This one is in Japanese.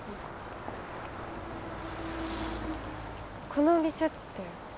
この店って。